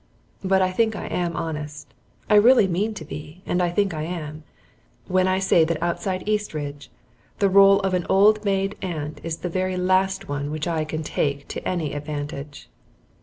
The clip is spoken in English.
But I think I am honest I really mean to be, and I think I am when I say that outside Eastridge the role of an old maid aunt is the very last one which I can take to any advantage.